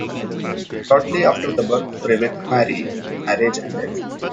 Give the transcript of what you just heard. Shortly after the birth of Rebecca Mary, the marriage ended.